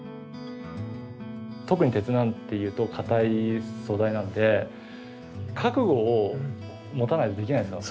特に鉄なんていうと硬い素材なんで覚悟を持たないとできないんですよ。